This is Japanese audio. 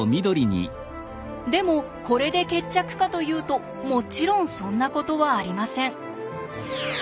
でもこれで決着かというともちろんそんなことはありません。